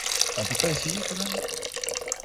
On peut pas essayer quand même?